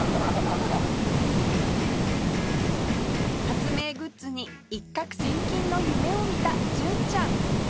発明グッズに一獲千金の夢を見た純ちゃん